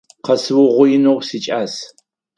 Къэсыугъоинэу сикӏас.